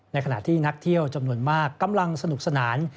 ในขณะที่นักเที่ยวจำนวนมากกำลังสนุกสนาน